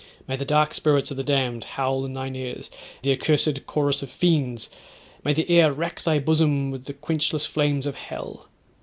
May the dark spirits of the damned howl in thine ears the accursed chorus of fiends—may the air rack thy bosom with the quenchless flames of hell!